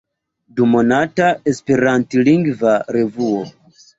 Dumonata esperantlingva revuo.